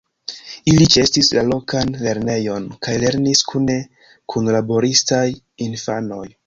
Ili ĉeestis la lokan lernejon kaj lernis kune kun laboristaj infanoj.